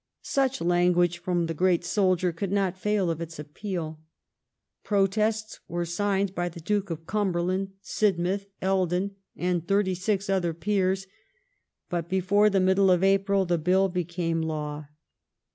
Such language from the great soldier could not fail of its appeal : protests were signed by the Duke of Cumberland, Sidmouth, Eldon, and thirty six other peei*s, but l)efore the middle of April the Bill became law.